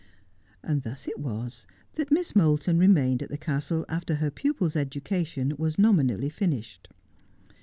Thus it was that Miss Moulton remained at the castle after her pupil's education was nominally finished.